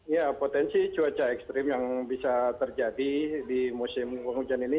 ya potensi cuaca ekstrim yang bisa terjadi di musim penghujan ini